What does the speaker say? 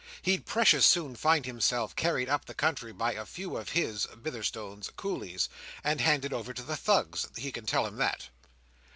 He'd precious soon find himself carried up the country by a few of his (Bitherstone's) Coolies, and handed over to the Thugs; he can tell him that.